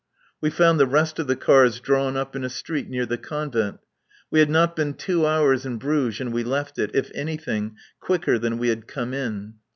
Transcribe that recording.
We found the rest of the cars drawn up in a street near the Convent. We had not been two hours in Bruges, and we left it, if anything, quicker than we had come in.